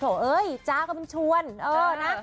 เอ้ยจ๊ะก็เป็นชวนเออนะ